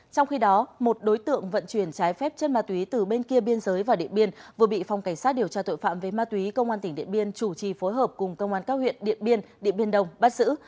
trong khi đó một đối tượng vận chuyển trái phép chất ma túy từ bên kia biên giới và điện biên vừa bị phòng cảnh sát điều tra tội phạm với ma túy cơ quan tỉnh điện biên chủ trì phối hợp cùng cơ quan các huyện điện biên điện biên đồng bắt giữ